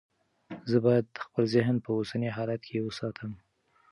زه باید خپل ذهن په اوسني حالت کې وساتم.